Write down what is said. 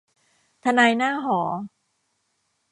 ทนายหน้าหอ